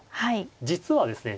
実はですね